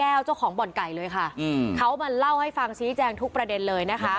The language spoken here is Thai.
เจ้าของบ่อนไก่เลยค่ะอืมเขามาเล่าให้ฟังชี้แจงทุกประเด็นเลยนะคะ